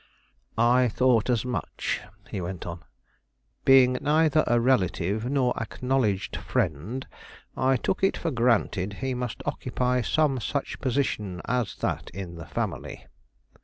"I thought as much," he went on. "Being neither a relative nor acknowledged friend, I took it for granted he must occupy some such position as that in the family."